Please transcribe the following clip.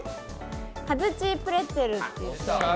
カズチープレッツェルという。